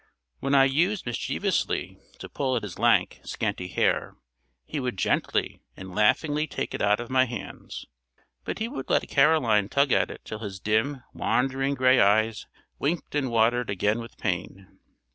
When I used mischievously to pull at his lank, scanty hair, he would gently and laughingly take it out of my hands, but he would let Caroline tug at it till his dim, wandering gray eyes winked and watered again with pain.